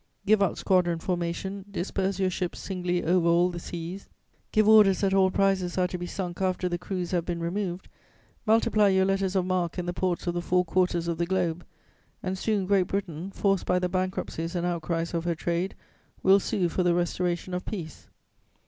Give up squadron formation, disperse your ships singly over all the seas, give orders that all prizes are to be sunk after the crews have been removed, multiply your letters of marque in the ports of the four quarters of the globe, and soon Great Britain, forced by the bankruptcies and outcries of her trade, will sue for the restoration of peace.